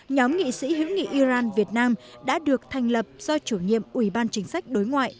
nhóm nghị sĩ hữu nghị iran việt nam đã được thành lập do chủ nhiệm ủy ban chính sách đối ngoại